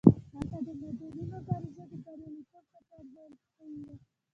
هلته د مدني مبارزې د بریالیتوب کچه ارزول شوې ده.